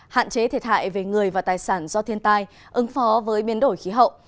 hạn chế thiệt hại về người và tài sản do thiên tai ứng phó với biến đổi khí hậu